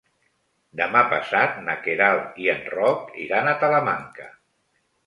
Demà passat na Queralt i en Roc iran a Talamanca.